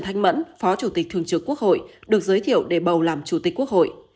thanh mẫn phó chủ tịch thường trực quốc hội được giới thiệu để bầu làm chủ tịch quốc hội